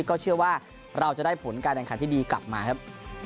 ก็เชื่อว่าเราจะได้ผลการแข่งขันที่ดีกลับมาครับ